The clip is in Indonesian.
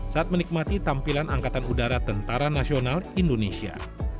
saat menikmati tampilan angkatan udara tentara nasional indonesia